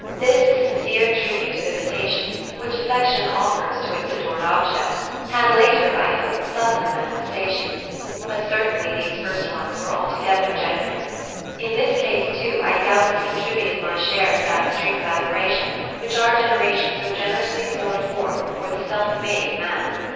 This sincere tribute of imitation, which affection offers to its adored object, had later, I hope, subtler manifestations, but certainly these first ones were altogether genuine. In this case, too, I doubtless contributed my share to that stream of admiration which our generation so generously poured forth for the self made man.